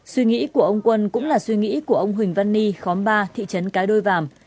suy nghĩ của ông quân cũng là suy nghĩ của ông huỳnh văn ni khóm ba thị trấn cái đôi vàm